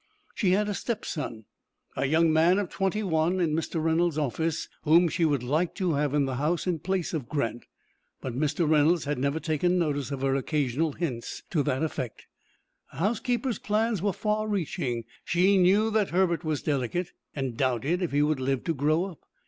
She had a stepson, a young man of twenty one, in Mr. Reynolds' office, whom she would like to have in the house in place of Grant. But Mr. Reynolds had never taken notice of her occasional hints to that effect. The housekeeper's plans were far reaching. She knew that Herbert was delicate, and doubted if he would live to grow up.